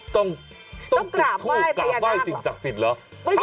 ต้องกลับไหว้สิ่งศักดิ์สิทธิ์หรอ